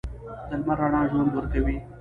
د لمر رڼا ژوند ورکوي.